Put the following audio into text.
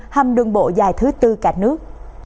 hầm đường bộ dài thứ tư cả nước